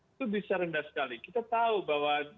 itu bisa rendah sekali kita tahu bahwa